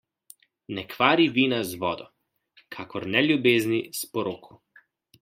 Ne kvari vina z vodo, kakor ne ljubezni s poroko.